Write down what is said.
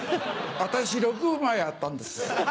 私６枚あったんです。